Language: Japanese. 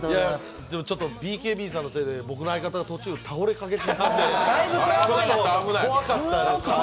ちょっとＢＫＢさんのせいで、僕の相方が途中倒れかけてちょっと怖かったです。